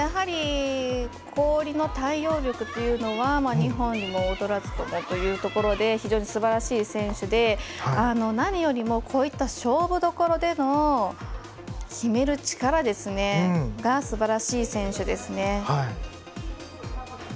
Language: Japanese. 氷の対応力というのは日本にも劣らずというところで非常にすばらしい選手で何よりもこういった勝負どころでの決める力がすばらしい選手です。